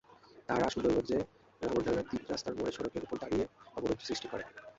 তাঁরা সুন্দরগঞ্জের বামনডাঙ্গা তিন রাস্তার মোড়ে সড়কের ওপর দাঁড়িয়ে অবরোধ সৃষ্টি করেন।